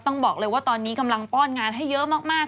ต้องบอกเลยว่าตอนนี้กำลังป้อนงานให้เยอะมาก